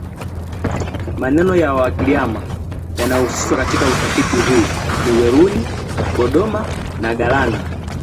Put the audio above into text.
Maeneo ya Wagiryama yanayohusishwa katika utafiti huu ni Weruni , Godoma na Galana